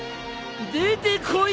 出てこい。